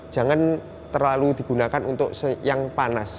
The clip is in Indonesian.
jangan terlalu digunakan untuk yang panas